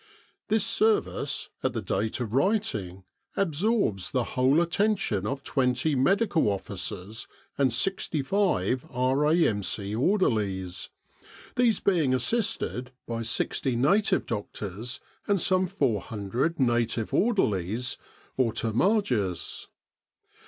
This service, at the date of writing, absorbs the whole attention of twenty Medical Officers and 65 R.A.M.C. orderlies, these being assisted by 60 native doctors and some 400 native orderlies, or Ter margis.